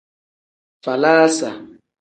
Falaasa.